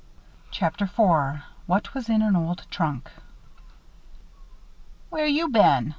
CHAPTER IV WHAT WAS IN AN OLD TRUNK "Where you been?"